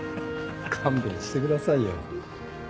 勘弁してくださいよ。